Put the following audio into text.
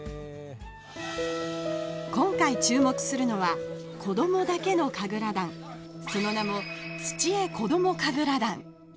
今回注目するのは子どもだけの神楽団その名も「土江子ども神楽団」。